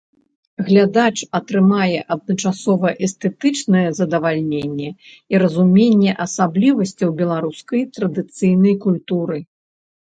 Глядач атрымае адначасова эстэтычнае задавальненне і разуменне асаблівасцяў беларускай традыцыйнай культуры.